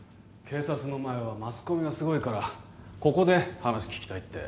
警察の前はマスコミがすごいからここで話聞きたいって。